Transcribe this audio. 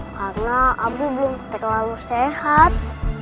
karena abi belum terlalu sehat